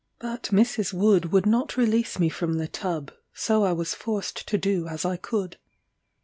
But Mrs. Wood would not release me from the tub, so I was forced to do as I could.